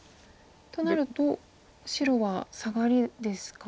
となると白はサガリですか？